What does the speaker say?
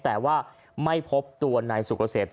แต่ว่าไม่พบตัวนายสุกเกษม